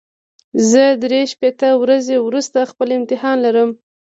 زه درې شپېته ورځې وروسته خپل امتحان لرم.